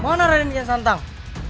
mana raden jal cantang